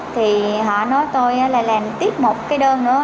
thì họ nói tôi là làm tiếp một cái đơn nữa